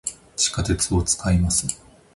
地下鉄を、使います。